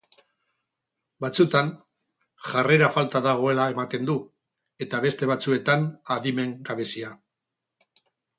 Batzutan jarrera falta dagoela ematen du eta beste batzuetan adimen gabezia.